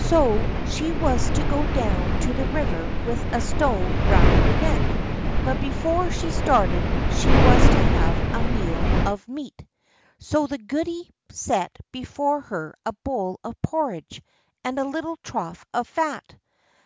So she was to go down to the river with a stone round her neck, but before she started she was to have a meal of meat. So the goody set before her a bowl of porridge and a little trough of fat.